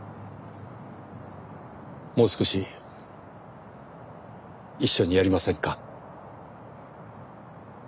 もう少し一緒にやりませんか？